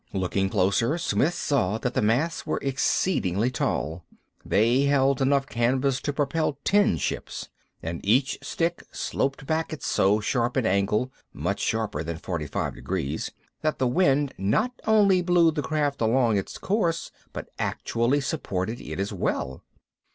Looking closer, Smith saw that the masts were exceedingly tall; they held enough canvas to propel ten ships. And each stick sloped back at so sharp an angle much sharper than forty five degrees that the wind not only blew the craft along in its course, but actually supported it as well.